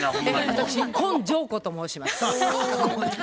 私根性子と申します。